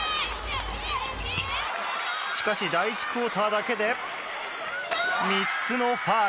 しかし第１クオーターだけで３つのファウル。